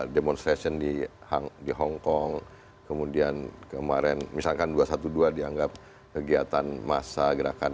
demonstrasi di hongkong kemudian kemarin misalkan dua ratus dua belas dianggap kegiatan massa gerakan